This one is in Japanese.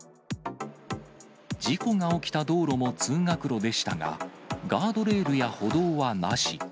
事故が起きた道路も通学路でしたが、ガードレールや歩道はなし。